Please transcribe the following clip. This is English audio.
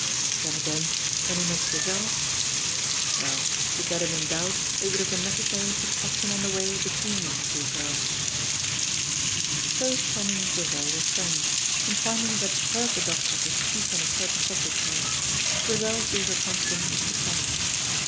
Then again, when he met Grizel well, to get him in doubt it would have been necessary to catch him on the way between these two girls. So Tommy and Grizel were friends, and finding that it hurt the doctor to speak on a certain subject to him, Grizel gave her confidences to Tommy.